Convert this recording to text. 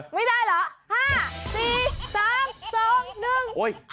ไม่ได้หรอ